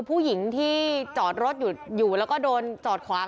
ผู้หญิงที่จอดรถอยู่โดนจอดคว้าง